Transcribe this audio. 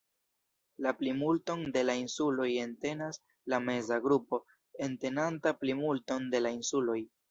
La plimulton de la insuloj entenas la meza grupo, entenanta plimulton de la insuloj.